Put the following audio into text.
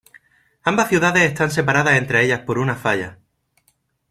Ambas ciudades están separadas entre ellas por una falla.